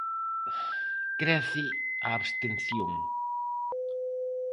Crece a abstención.